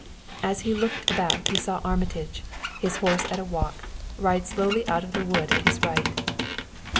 As he looked about he saw Armitage, his horse at a walk, ride slowly out of the wood at his right.